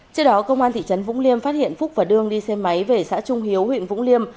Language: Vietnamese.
trước đó công an thị trấn vũng liêm phát hiện phúc và đương đi xe máy về xã trung hiếu huyện vũng liêm